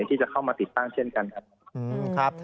ที่จะเข้ามาติดตั้งเช่นกันครับ